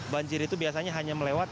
banjir itu biasanya hanya melewat